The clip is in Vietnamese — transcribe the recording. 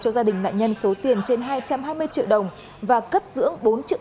cho gia đình nạn nhân số tiền trên hai trăm hai mươi triệu đồng và cấp dưỡng bốn triệu